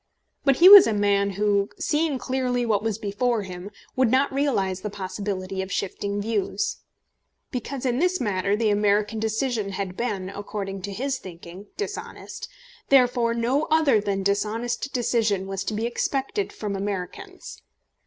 But he was a man who, seeing clearly what was before him, would not realise the possibility of shifting views. Because in this matter the American decision had been, according to his thinking, dishonest, therefore no other than dishonest decision was to be expected from Americans.